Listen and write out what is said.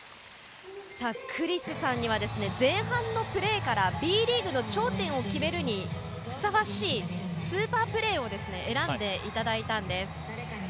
クリスさんには前半のプレーからＢリーグの頂点を決めるにふさわしいスーパープレーを選んでいただいたんです。